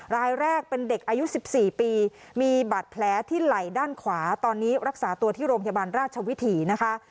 รายแรกเป็นเด็กอายุ๑๔ปีมีบาดแผลที่ไหล่ด้านขวาตอนนี้รักษาตัวที่โรงพยาบาลราชวิถีนะคะ